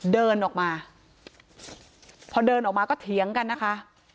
เดินออกมาพอเดินออกมาก็เถียงกันนะคะ